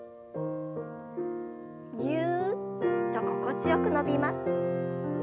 ぎゅっと心地よく伸びます。